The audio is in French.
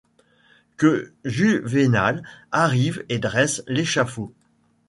Que Juvénal arrive et dresse l'échafaud